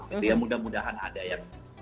tapi ya mudah mudahan ada ya